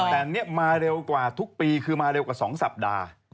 แต่นี่มาเร็วกว่าทุกปีคือมาเร็วกว่า๒สัปดาห์